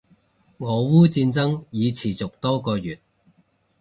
俄烏戰爭已持續多個月